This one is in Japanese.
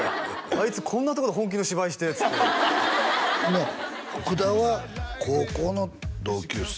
あいつこんなとこで本気の芝居してっつって福田は高校の同級生？